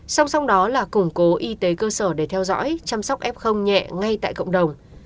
song song đó là củng cố y tế cơ sở để theo dõi chăm sóc f nhẹ ngay tại cộng đồng